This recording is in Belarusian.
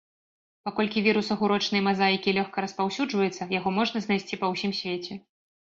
Паколькі вірус агурочнай мазаікі лёгка распаўсюджваецца, яго можна знайсці па ўсім свеце.